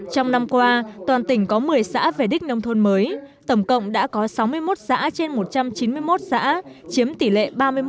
trong năm qua toàn tỉnh có một mươi xã về đích nông thôn mới tổng cộng đã có sáu mươi một xã trên một trăm chín mươi một xã chiếm tỷ lệ ba mươi một